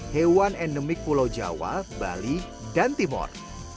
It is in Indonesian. hewan endemik pulau jawa bali dan timur